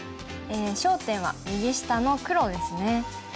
焦点は右下の黒ですね。